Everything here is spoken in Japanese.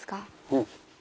うん。